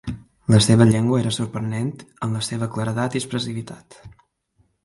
La seva llengua era sorprenent en la seva claredat i expressivitat.